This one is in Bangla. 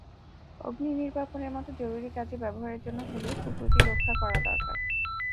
অগ্নিনির্বাপণের মতো জরুরি কাজে ব্যবহারের জন্য হলেও পুকুরটি রক্ষা করা দরকার।